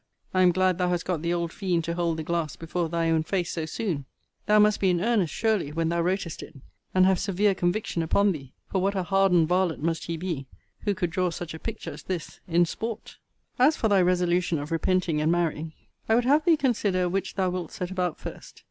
I am glad thou hast got the old fiend to hold the glass* before thy own face so soon. Thou must be in earnest surely, when thou wrotest it, and have severe conviction upon thee: for what a hardened varlet must he be, who could draw such a picture as this in sport? * See Letter XXVI. of this volume. As for thy resolution of repenting and marrying; I would have thee consider which thou wilt set about first.